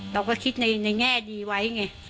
เราก็คิดในแง่ดีไว้ไง